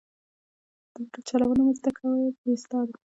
د موټر چلوونه مه زده کوه بې استاده.